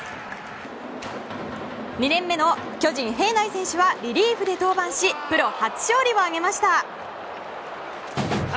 ２年目の巨人、平内選手はリリーフで登板しプロ初勝利を挙げました。